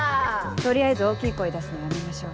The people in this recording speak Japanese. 取りあえず大きい声出すのやめましょう。